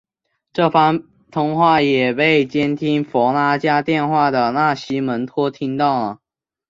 这番通话也被监听弗拉加电话的纳西门托听到了。